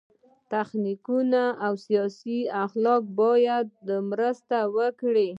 تخنیکونه او سیاسي اخلاق باید مرسته وکړي.